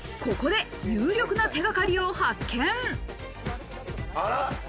ここで有力な手がかりを発見。